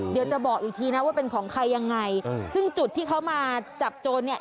เดี๋ยวจะบอกอีกทีนะว่าเป็นของใครยังไงซึ่งจุดที่เขามาจับโจรเนี่ย